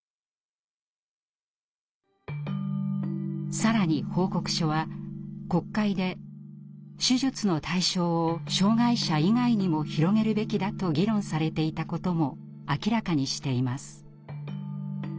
更に報告書は国会で手術の対象を障害者以外にも広げるべきだと議論されていたことも明らかにしています。